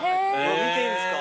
見ていいですか？